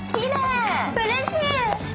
うれしい。